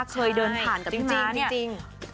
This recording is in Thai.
เคยเดินผ่านกับพี่ม้าเนี่ย